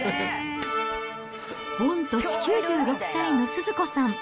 御年９６歳のスズ子さん。